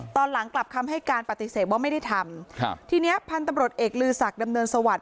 ตอนหลังกลับคำให้การปฏิเสธว่าไม่ได้ทำครับทีเนี้ยพันธุ์ตำรวจเอกลือศักดำเนินสวัสดิ